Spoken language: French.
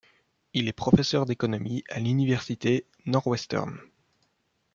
Il est professeur d'économie à l'université Northwestern.